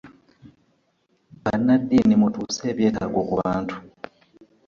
Bannaddini mutuuse ebyetaago ku bantu.